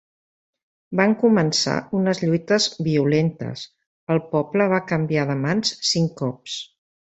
Van començar unes lluites violentes; el poble va canviar de mans cinc cops